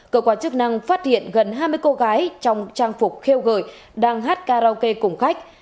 cơ quan chức năng phát hiện gần hai mươi cô gái trong trang phục kêu gợi đang hát karaoke cùng khách